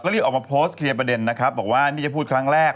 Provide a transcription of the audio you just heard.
ที่ถืออยู่ที่แอว